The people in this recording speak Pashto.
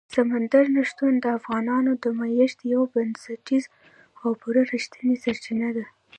سمندر نه شتون د افغانانو د معیشت یوه بنسټیزه او پوره رښتینې سرچینه ده.